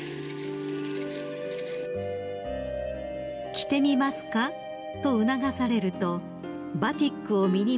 ［「着てみますか？」と促されるとバティックを身にまとい